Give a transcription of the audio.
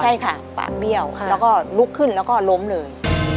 ใช่ค่ะปากเบี้ยวแล้วก็ลุกขึ้นแล้วก็ล้มเลย